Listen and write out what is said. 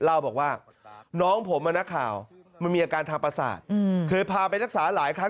เล่าบอกว่าน้องผมนักข่าวมันมีอาการทางประสาทเคยพาไปรักษาหลายครั้ง